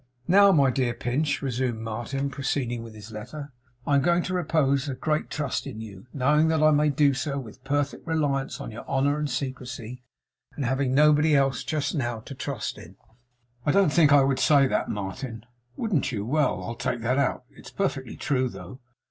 '"Now, my dear Pinch,"' resumed Martin, proceeding with his letter; '"I am going to repose great trust in you, knowing that I may do so with perfect reliance on your honour and secrecy, and having nobody else just now to trust in."' 'I don't think I would say that, Martin.' 'Wouldn't you? Well! I'll take that out. It's perfectly true, though.